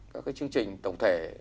các cái chương trình tổng thể